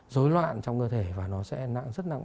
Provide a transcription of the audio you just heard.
dối loạn trong cơ thể và nó sẽ nặng rất nặng